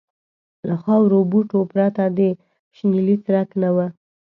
له خارو بوټو پرته د شنیلي څرک نه و.